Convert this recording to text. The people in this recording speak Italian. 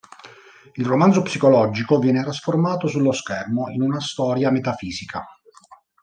Il romanzo psicologico viene trasformato, sullo schermo, in una storia metafisica.